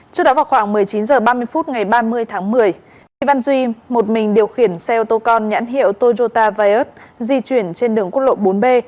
trước đó vào khoảng một mươi chín h ba mươi phút ngày ba mươi tháng một mươi lê văn duy một mình điều khiển xe ô tô con nhãn hiệu toyota viot di chuyển trên đường quốc lộ bốn b